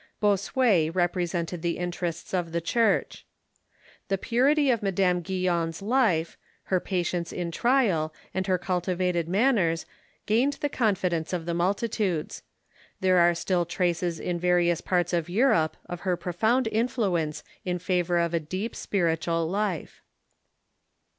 Bossuet represented the inter ests of the Church. The purity of Madame Guyon's life, her patience in trial, and her cultivated manners gained the confi dence of multitudes. There are still traces in various parts of Europe of her profound influence in favor of a deeji spiritual life.